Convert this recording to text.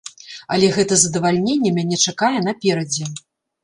Але гэта задавальненне мяне чакае наперадзе.